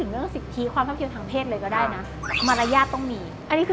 เรียกมันสออยู่